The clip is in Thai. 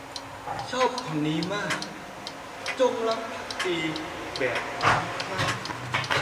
ชอบคำนี้มาก “จงรักภักดีแบบคลุ้มคลั่ง”